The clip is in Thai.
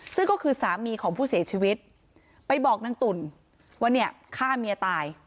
ซึ่งก็คือสามีของผู้เสียชีวิตไปบอกนางตุ่นว่าเนี่ยฆ่าเมียตาย